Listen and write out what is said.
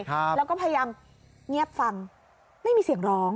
ครับแล้วก็พยายามเงียบฟังไม่มีเสียงร้อง